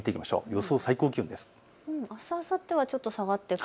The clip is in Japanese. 予想最高気温です。